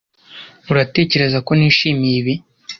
Uratekereza ko nishimiye ibi?